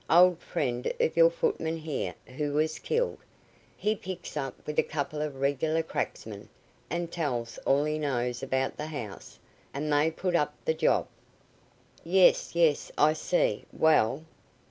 Old friend of your footman here who was killed. He picks up with a couple of regular cracksmen, and tells all he knows about the house, and they put up the job." "Yes, yes. I see. Well?"